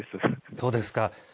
そうですか。